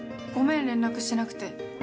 ごめん連絡しなくて。